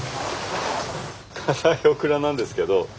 固いオクラなんですけど。